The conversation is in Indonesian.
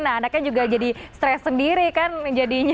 nah anaknya juga jadi stres sendiri kan jadinya